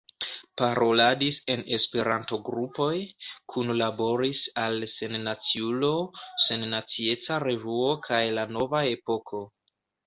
Paroladis en Esperanto-grupoj, kunlaboris al Sennaciulo, Sennacieca Revuo kaj La Nova Epoko.